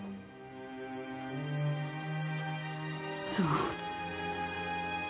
そう。